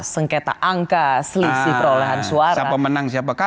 sengketa angka selisih perolehan suara